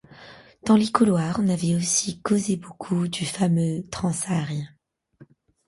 Dans les couloirs, on avait aussi causé beaucoup du fameux Transsaharien.